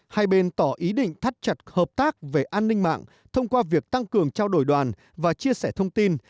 hai bên tỏ ý định thắt chặt hợp tác về an ninh mạng thông qua việc tăng cường trao đổi đoàn và chia sẻ thông tin